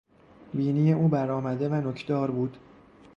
بینی او برآمده و نوکدار بود.